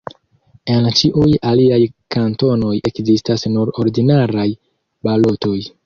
En ĉiuj aliaj kantonoj ekzistas nur ordinaraj balotoj.